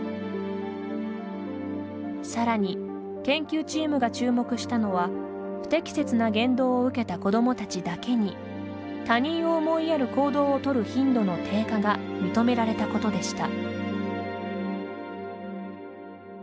さらに研究チームが注目したのは不適切な言動を受けた子どもたちだけに他人を思いやる行動をとる頻度の低下が認められたことでした。